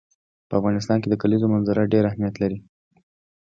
په افغانستان کې د کلیزو منظره ډېر اهمیت لري.